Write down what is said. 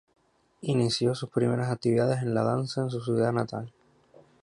Inició sus primeras actividades en la danza en su ciudad natal.